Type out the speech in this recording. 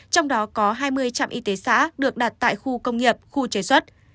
trong đó có hai mươi trạm y tế xã được đặt tại khu công nghiệp khu chế xuất